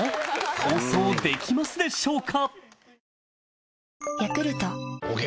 放送できますでしょうか？